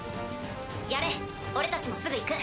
やれ俺たちもすぐ行く。